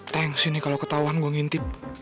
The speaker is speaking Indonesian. thanks ini kalo ketauan gue ngintip